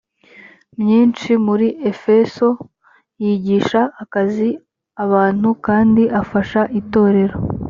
myinshi muri efeso yigisha akiza abantu kandi afasha itorero